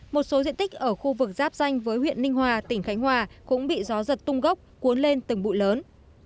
một số diện tích ở khu vực giáp danh với huyện ninh hòa tỉnh khánh hòa cũng bị gió giật tung gốc cuốn lên từng bụi lớn